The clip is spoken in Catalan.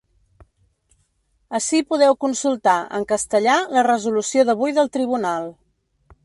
Ací podeu consultar, en castellà, la resolució d’avui del tribunal.